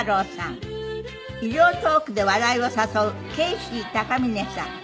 医療トークで笑いを誘うケーシー高峰さん。